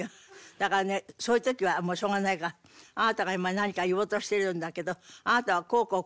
だからねそういう時はもうしょうがないから「あなたが今何か言おうとしてるんだけどあなたはこうこうこういう事が言いたいんじゃないの？」